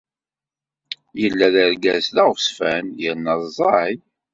Yella d argaz d aɣezfan yerna ẓẓay.